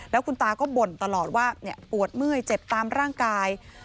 แล้วคุณตาก็บ่นตลอดว่าปวดเมื่อยเจ็บตามร่างกาย